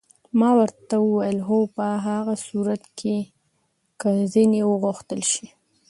ما ورته وویل: هو، په هغه صورت کې که ځینې وغوښتل شي.